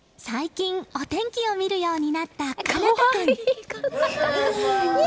最近お天気を見るようになった奏汰君。